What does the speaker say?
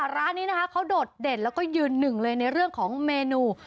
ร้านนี้นะคะเขาโดดเด่นแล้วก็ยืนหนึ่งเลยในเรื่องของเมนู